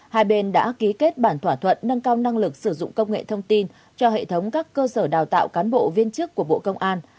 hai bên đã ký kết bản thỏa thuận nâng cao năng lực sử dụng công nghệ thông tin cho hệ thống các cơ sở đào tạo cán bộ viên chức của bộ công an